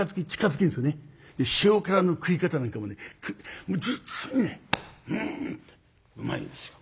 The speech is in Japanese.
塩辛の食い方なんかもねこうもう実にねうんうまいんですよ。